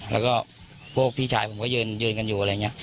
แล้วก็พวกพี่ชายผมก็ยืนกันอยู่อะไรอย่างนี้